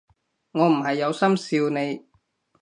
我唔係有心笑你